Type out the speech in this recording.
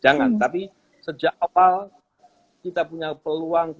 banget dengan bbq phk dengan inf fay energi dengan crimp atm alam semua damit kamu